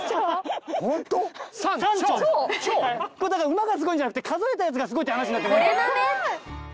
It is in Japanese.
馬がすごいんじゃなくて数えたやつがすごいって話に。